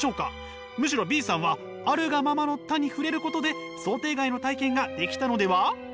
むしろＢさんは「あるがままの多」に触れることで想定外の体験ができたのでは？